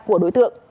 của đối tượng